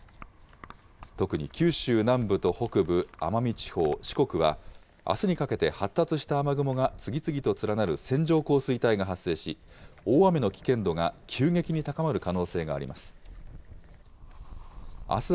特に九州南部と北部、奄美地方、四国は、あすにかけて発達した雨雲が次々と連なる線状降水帯が発生し、大雨の危険度が急激に高まる可能性があります。